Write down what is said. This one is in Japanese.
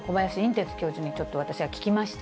てつ教授に、ちょっと私が聞きました。